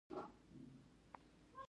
څلور دېرش پنځۀ دېرش شپږ دېرش